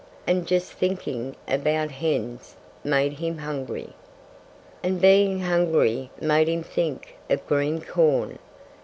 And just thinking about hens made him hungry. And being hungry made him think of green corn.